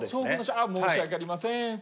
申し訳ありません。